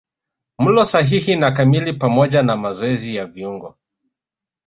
Mlo sahihi na kamili pamoja na mazoezi ya viungo